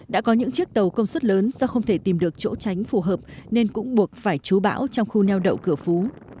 đã có những chiếc tàu công suất lớn do không thể tìm được chỗ tránh phù hợp nên cũng buộc phải chú bão trong khu neo đậu cửa phú